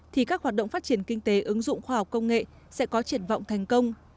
thì các hoạt động phát triển kinh tế ứng dụng khoa học công nghệ sẽ có triển vọng thành công